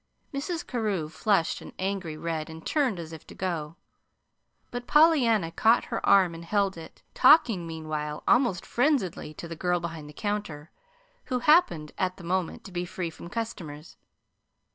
Mrs. Carew flushed an angry red, and turned as if to go; but Pollyanna caught her arm and held it, talking meanwhile almost frenziedly to the girl behind the counter, who happened, at the moment, to be free from customers.